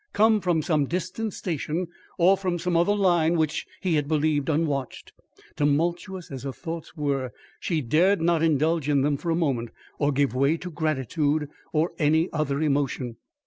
come from some distant station, or from some other line which he had believed unwatched. Tumultuous as her thoughts were, she dared not indulge in them for a moment, or give way to gratitude or any other emotion.